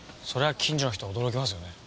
近所の人驚きますよね。